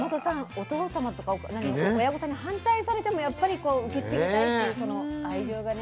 お父様とか親御さんに反対されてもやっぱり受け継ぎたいっていうその愛情がね。